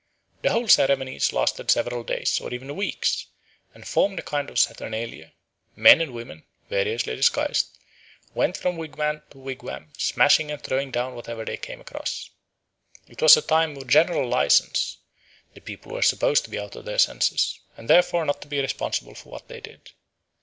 The whole ceremonies lasted several days, or even weeks, and formed a kind of saturnalia. Men and women, variously disguised, went from wigwam to wigwam smashing and throwing down whatever they came across. It was a time of general license; the people were supposed to be out of their senses, and therefore not to be responsible for what they did.